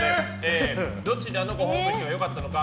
どちらのご褒美飯が良かったか。